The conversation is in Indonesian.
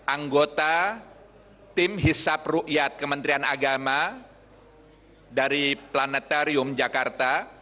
anggota tim hisap ruqyat kementerian agama dari planetarium jakarta